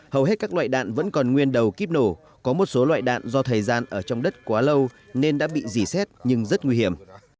hầu hết các loại đạn vẫn còn nguyên đầu kíp nổ có một số loại đạn do thời gian ở trong đất quá lâu nên đã bị dì xét nhưng rất nguy hiểm